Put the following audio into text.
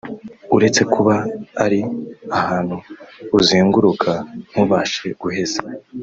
uretse kuba ari ahantu uzenguruka ntubashe guheza